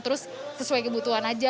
terus sesuai kebutuhan aja